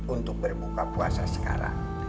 untuk berbuka puasa sekarang